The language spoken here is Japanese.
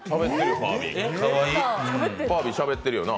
ファービー、しゃべってるよな。